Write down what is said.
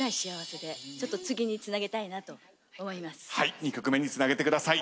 はい２曲目につなげてください。